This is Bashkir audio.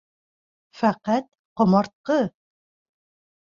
Фәҡәт ҡомартҡы!